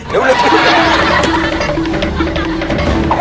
เร็ว